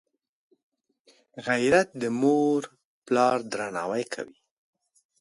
غیرت د موروپلار درناوی کوي